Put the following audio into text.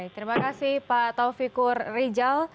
terima kasih pak taufikur rijal